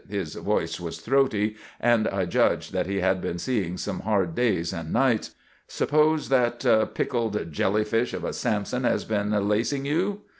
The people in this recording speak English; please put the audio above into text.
His voice was throaty, and I judged that he had been seeing some hard days and nights. "Suppose that pickled jellyfish of a Sampson has been lacing you?